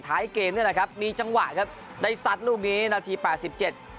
ท้ายเกมนี่แหละครับมีจังหวะครับได้ซัดลูกนี้นาทีแปดสิบเจ็ด